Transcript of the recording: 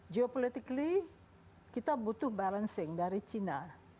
geopolitically kita butuh balancing dari china